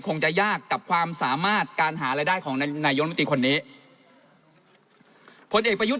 คงจะยากกับความสามารถการหารายได้ของนายมนตรีคนนี้ผลเอกประยุทธ์